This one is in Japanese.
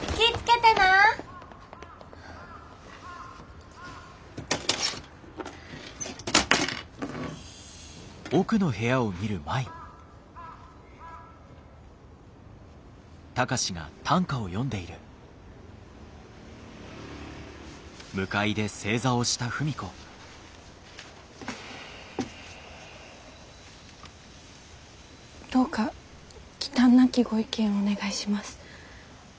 どうか忌憚なきご意見をお願いします。